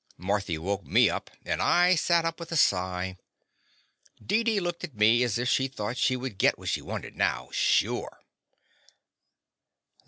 Marthy woke me up, and I sat up with a sigh. Deedee looked at me as if she thought she would git what she wanted now, sure.